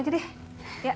gua jalan dulu ya